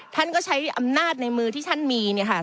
ท่านก็ใช้อำนาจในมือที่ท่านมี